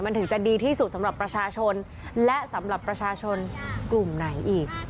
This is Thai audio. มันถึงจะดีที่สุดสำหรับประชาชนและสำหรับประชาชนกลุ่มไหนอีก